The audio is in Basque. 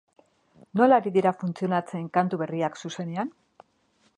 Nola ari dira funtzionatzen kantu berriak zuzenean?